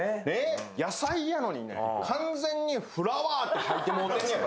野菜やのにね、完全にフラワーって書いてもうてるのよ。